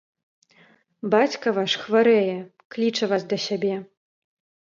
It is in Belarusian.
Бацька ваш хварэе, кліча вас да сябе.